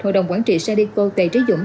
hội đồng quản trị sadeco tây trí dũng